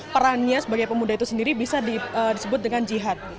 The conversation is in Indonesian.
perannya sebagai pemuda itu sendiri bisa disebut dengan jihad